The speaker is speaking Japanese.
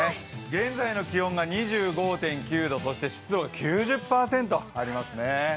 現在の気温が２５．９度、そして湿度が９０％ありますね。